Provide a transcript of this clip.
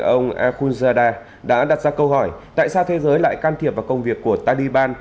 ông akunzada đã đặt ra câu hỏi tại sao thế giới lại can thiệp vào công việc của taliban